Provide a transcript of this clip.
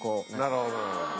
なるほど。